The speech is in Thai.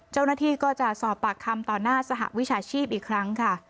เจ้าหน้าที่ก็จะสอบปากคำต่อหน้าสหวิชาชีพอีกครั้งค่ะ